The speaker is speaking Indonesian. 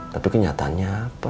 tapi kenyataannya apa